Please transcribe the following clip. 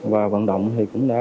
và vận động thì cũng đã